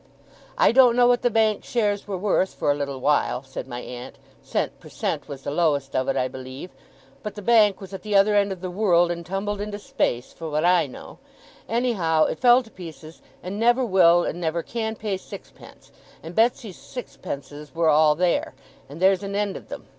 I don't know what the Bank shares were worth for a little while,' said my aunt; 'cent per cent was the lowest of it, I believe; but the Bank was at the other end of the world, and tumbled into space, for what I know; anyhow, it fell to pieces, and never will and never can pay sixpence; and Betsey's sixpences were all there, and there's an end of them.